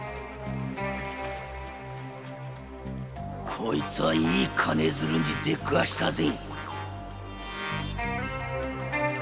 こいつはいい金づるに出くわしたぜ